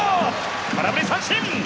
空振り三振！